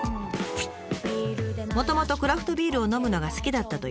もともとクラフトビールを飲むのが好きだったというたまちゃん。